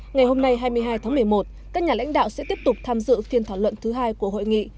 ngày hôm nay hai mươi hai tháng một mươi một các nhà lãnh đạo sẽ tiếp tục tham dự phiên thảo luận thứ hai của hội nghị